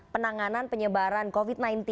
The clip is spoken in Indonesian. penanganan penyebaran covid sembilan belas